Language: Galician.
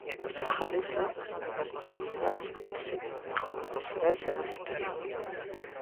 Murcia e Galiza, as únicas dúas comunidades que non recibiron ningunha transferencia neste período.